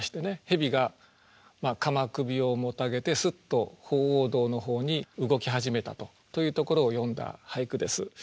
蛇が鎌首をもたげてスッと鳳凰堂の方に動き始めたとというところを詠んだ俳句です。